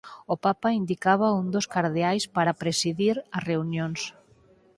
O papa indicaba un dos cardeais para presidir as reunións.